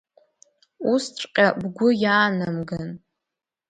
Усҵәҟьа бгәы иаанамган.